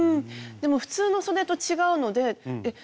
でも普通のそでと違うのでえっ